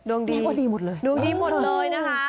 ดวงดีดวงดีหมดเลยนะคะ